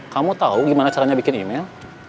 kamu tahu gimana caranya bikin email